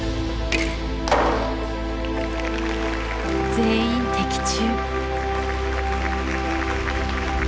全員的中。